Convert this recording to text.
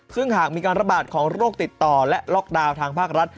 ซึ่งหากมีการระบาดของโรคติดต่อและล็อกดาวน์ทางภาครัฐ